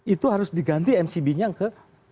itu harus diganti mcb nya ke empat empat ratus